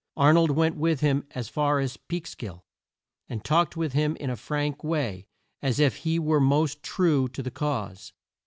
Ar nold went with him as far as Peeks kill, and talked with him in a frank way, and as if he were most true to the cause.